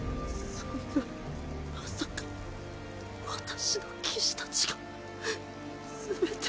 そんなまさか私の騎士たちが全て。